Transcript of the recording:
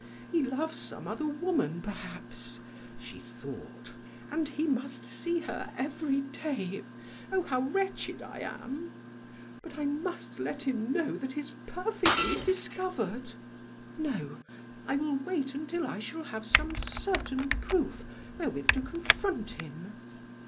"He loves some other woman, perhaps," she thought, "and he must see her every day. Oh, how wretched I am! But I must let him know that his perfidy is discovered. No, I will wait until I shall have some certain proof wherewith to confront him."